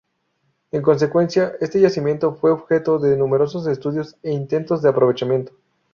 En consecuencia, este yacimiento fue objeto de numerosos estudios e intentos de aprovechamiento.